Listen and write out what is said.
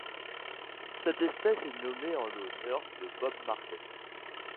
Cette espèce est nommée en l'honneur de Bob Marley.